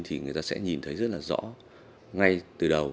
thì người ta sẽ nhìn thấy rất là rõ ngay từ đầu